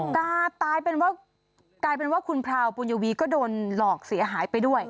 ตายเป็นว่ากลายเป็นว่าคุณพราวปุญวีก็โดนหลอกเสียหายไปด้วย